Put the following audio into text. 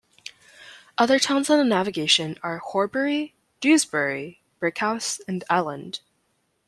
Other towns on the navigation are Horbury, Dewsbury, Brighouse, and Elland.